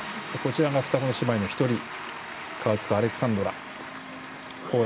双子の姉妹の１人カウツカ・アレクサンドラ。